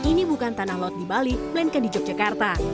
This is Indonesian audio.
ini bukan tanah laut di bali melainkan di yogyakarta